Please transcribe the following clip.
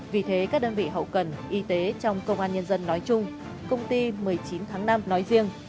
vì thế các đơn vị hậu cần y tế trong công an nhân dân nói chung công ty một mươi chín tháng năm nói riêng